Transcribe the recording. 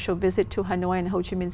chủ tịch trung tâm là về cộng đồng